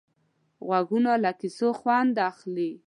غوږونه له کیسو خوند اخلي